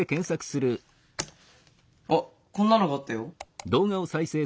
あっこんなのがあったよ。